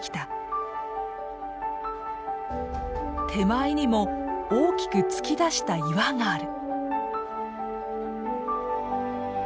手前にも大きく突き出した岩がある。